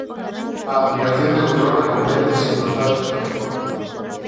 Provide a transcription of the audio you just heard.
A admiración de outrora convértese en nostalxia do que foi.